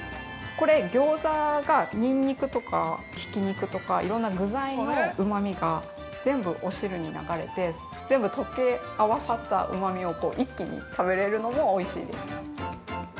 これ、ギョーザが、ニンニクとかひき肉とか、いろんな具材のうまみが全部お汁に流れて、全部溶け合わさったうまみを一気に食べれるのもおいしいです。